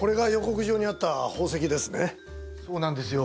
そうなんですよ。